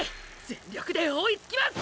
全力で追いつきます！！